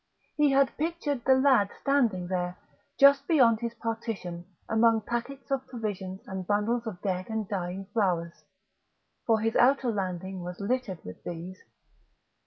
He had pictured the lad standing there, just beyond his partition, among packets of provisions and bundles of dead and dying flowers. For his outer landing was littered with these.